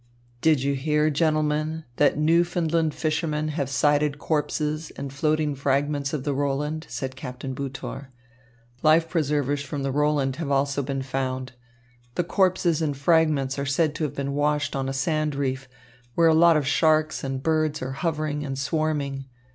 "Did you hear, gentlemen, that Newfoundland fishermen have sighted corpses and floating fragments of the Roland?" said Captain Butor. "Life preservers from the Roland have also been found. The corpses and fragments are said to have been washed on a sand reef, where a lot of sharks and birds are hovering and swarming.